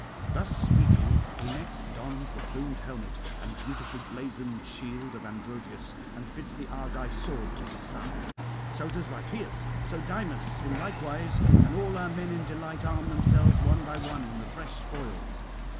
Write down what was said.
Thus speaking, he next dons the plumed helmet and beautifully blazoned shield of Androgeus, and fits the Argive sword to his side. So does Rhipeus, so Dymas in like wise, and all our men in delight arm themselves one by one in the fresh spoils.